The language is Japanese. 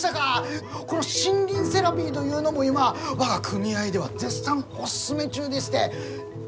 この森林セラピーというのも今我が組合では絶賛おすすめ中でして。